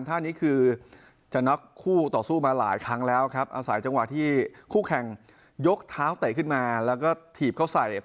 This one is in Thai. ท่านี้คือจะน็อกคู่ต่อสู้มาหลายครั้งแล้วครับอาศัยจังหวะที่คู่แข่งยกเท้าเตะขึ้นมาแล้วก็ถีบเขาใส่